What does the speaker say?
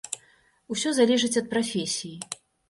Усё залежыць ад прафесіі.